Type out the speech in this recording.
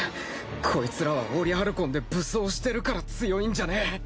こいつらはオリハルコンで武装してるから強いんじゃねえ。